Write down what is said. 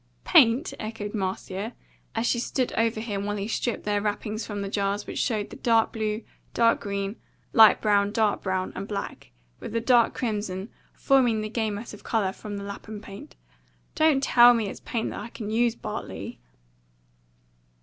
"Paint?" echoed Marcia, as she stood over him while he stripped their wrappings from the jars which showed the dark blue, dark green, light brown, dark brown, and black, with the dark crimson, forming the gamut of colour of the Lapham paint. "Don't TELL me it's paint that I can use, Bartley!"